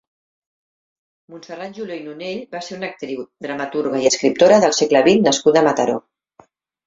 Montserrat Julió i Nonell va ser una actriu, dramaturga i escriptora del segle vint nascuda a Mataró.